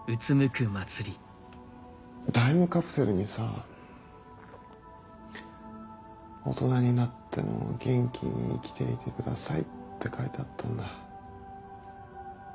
タイムカプセルにさ「大人になっても元気に生きていてください」って書いてあったんだ。